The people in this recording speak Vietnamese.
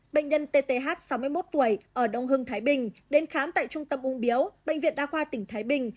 bệnh nhân tth sáu mươi một tuổi ở đông hưng thái bình đến khám tại trung tâm ung biếu bệnh viện đa khoa tỉnh thái bình